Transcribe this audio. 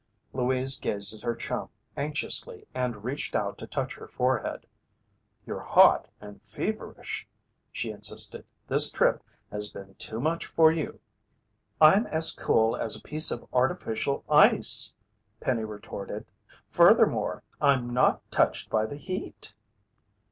Louise gazed at her chum anxiously and reached out to touch her forehead. "You're hot and feverish," she insisted. "This trip has been too much for you." "I'm as cool as a piece of artificial ice!" Penny retorted. "Furthermore, I'm not touched by the heat!"